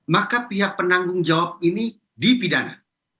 maka pihak penanggung jawab ini dipidana